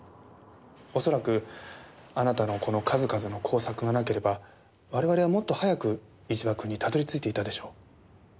恐らくあなたのこの数々の工作がなければ我々はもっと早く一場君にたどり着いていたでしょう。